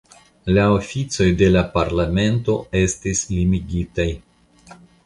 La oficoj de la parlamento estis limigitaj.